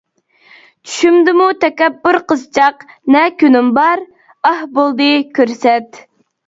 چۈشۈمدىمۇ تەكەببۇر قىزچاق، نە كۈنۈم بار؟ ئاھ، بولدى كۆرسەت.